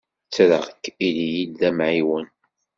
Ttreɣ-k ili-yi d amɛiwen.